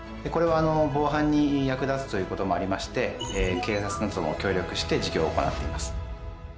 これは防犯に役立つということもありまして警察などとも協力して事業を行っています